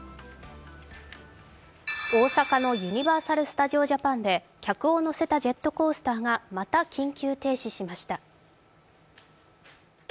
大阪のユニバーサル・スタジオ・ジャパンで客を乗せたジェットコースターがまた緊急停止しました。